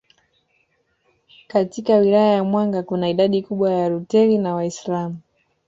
Katika Wilaya ya Mwanga kuna idadi kubwa ya Waluteri na Waislamu